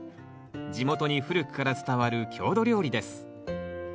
地元に古くから伝わる郷土料理です。